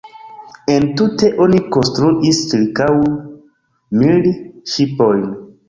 Entute oni konstruis ĉirkaŭ mil ŝipojn.